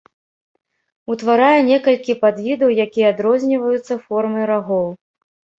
Утварае некалькі падвідаў, якія адрозніваюцца формай рагоў.